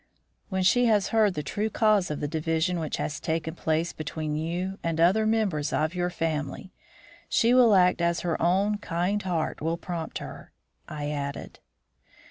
"When she has heard the true cause of the division which has taken place between you and other members of your family, she will act as her own kind heart will prompt her," I added.